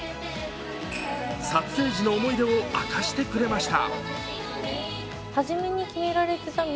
撮影時の思い出を明かしてくれました。